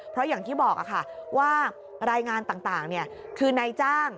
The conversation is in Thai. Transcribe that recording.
เพราะอย่างที่บอกค่ะว่ารายงานต่างคือนายจ้าง